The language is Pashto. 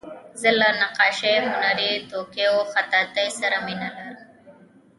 زه له نقاشۍ، هنري توکیو، خطاطۍ سره مینه لرم.